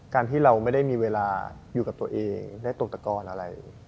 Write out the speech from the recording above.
การที่เราไม่ได้มีเวลาอยู่กับตัวเองได้ตกตะกอนอะไร